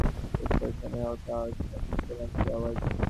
তারপর আমি যখন কাজটা প্রায় শেষ করে এনেছি, হঠাৎ শুনতে পেলাম সেই আওয়াজ।